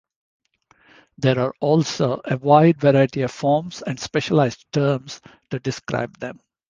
There are also a wide variety of forms and specialized terms to describe them.